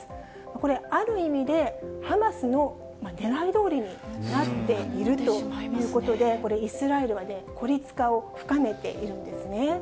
これ、ある意味で、ハマスのねらいどおりになっていると。ということでこれ、イスラエルは孤立化を深めているんですね。